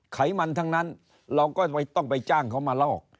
ไขมันทั้งนั้นเราก็ต้องไปจ้างเขามาลอก